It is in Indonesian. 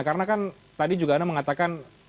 karena kan tadi juga anda mengatakan